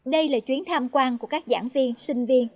đây là chuyến tham quan của các giảng viên sinh viên